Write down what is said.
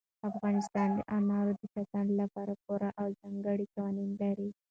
افغانستان د انارو د ساتنې لپاره پوره او ځانګړي قوانین لري.